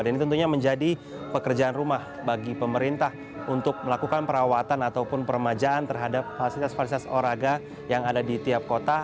dan ini tentunya menjadi pekerjaan rumah bagi pemerintah untuk melakukan perawatan ataupun permajaan terhadap fasilitas fasilitas olahraga yang ada di tiap kota